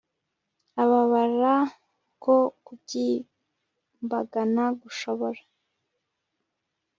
abababara, uko kubyimbagana gushobora